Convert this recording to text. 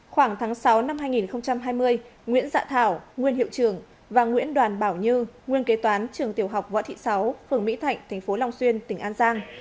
khoảng tháng sáu năm hai nghìn hai mươi nguyễn dạ thảo nguyên hiệu trưởng và nguyễn đoàn bảo như nguyên kế toán trường tiểu học võ thị sáu phường mỹ thạnh tp long xuyên tỉnh an giang